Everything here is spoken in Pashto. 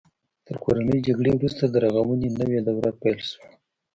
تر کورنۍ جګړې وروسته د رغونې نوې دوره پیل شوه.